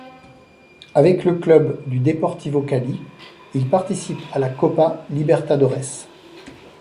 Avec le club du Deportivo Cali, il participe à la Copa Libertadores.